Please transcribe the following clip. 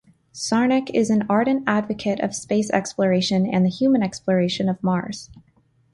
Czarnik is an ardent advocate of space exploration and the human exploration of Mars.